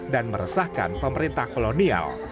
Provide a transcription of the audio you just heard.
dan meresahkan pemerintah kolonial